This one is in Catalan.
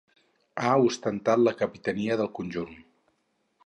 Ha ostentat la capitania del conjunt.